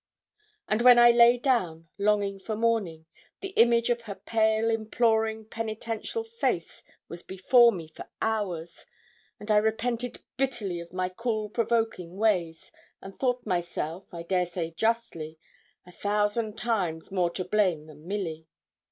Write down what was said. And when I lay down, longing for morning, the image of her pale, imploring, penitential face was before me for hours; and I repented bitterly of my cool provoking ways, and thought myself, I dare say justly, a thousand times more to blame than Milly.